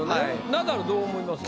ナダルどう思いますか？